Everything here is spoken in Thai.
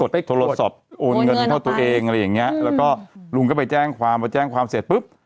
กดโทรศพโอนเงินแบบไงเราก็ลุงก็ไปแจ้งความว่าแจ้งความเสร็จปึ๊บ